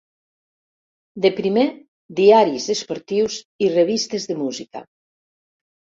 De primer, diaris esportius i revistes de música.